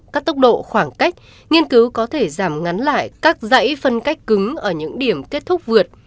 các tốc độ khoảng cách nghiên cứu có thể giảm ngắn lại các dãy phân cách cứng ở những điểm kết thúc vượt